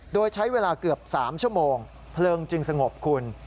โดยใช้เวลาเกือบ๓ชั่วโมงเพลิงจึงสงบคุณ